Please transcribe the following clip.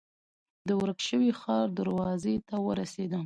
د ورک شوي ښار دروازې ته ورسېدم.